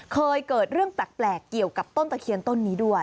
เคยเกิดเรื่องแปลกเกี่ยวกับต้นตะเคียนต้นนี้ด้วย